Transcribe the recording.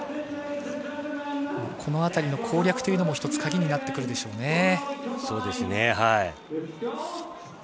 この辺りの攻略というのも１つ鍵になってくるでしょうね。